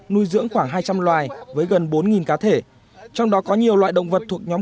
nuôi dưỡng khoảng hai trăm linh loài với gần bốn cá thể trong đó có nhiều loại động vật thuộc nhóm